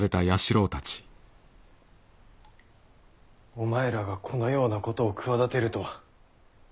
お前らがこのようなことを企てるとは。